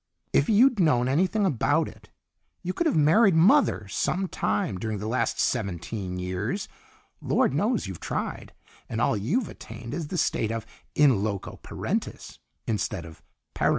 "If you'd known anything about it, you could have married mother some time during the last seventeen years. Lord knows you've tried, and all you've attained is the state of in loco parentis instead of parens."